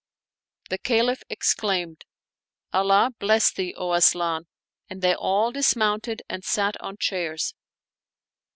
The Caliph exclaimed, " Allah bless thee, O Asian! " and they all dismounted and sat on chairs.